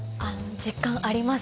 実感あります。